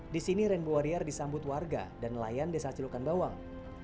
di sini rainbow warrior disambut warga dan nelayan desa celukan bawang